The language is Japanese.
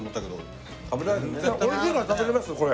おいしいから食べれますこれ。